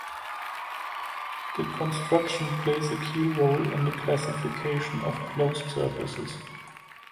This construction plays a key role in the classification of closed surfaces.